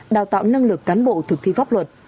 đào tạo năng lực cán bộ thực thi pháp luật